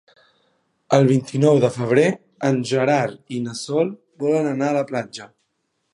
El vint-i-nou de febrer en Gerard i na Sol volen anar a la platja.